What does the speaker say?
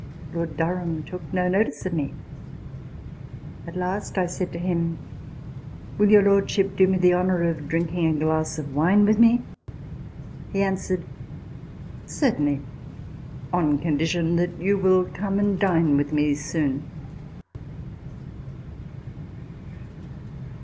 Lord Durham took no notice of me. At last I said to him, " Will your lordship do me the honour of drinking a glass of wine with me ?" He answered, " Certainly, on condition that you will come and dine with me soon."